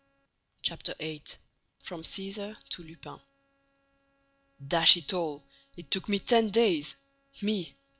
CHAPTER EIGHT FROM CÆSAR TO LUPIN Dash it all, it took me ten days! Me!